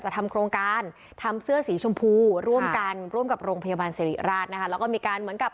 จะทำกรณการทำเสื้อสีชมพูร่วมกันร่วมกับโรงพยาบาล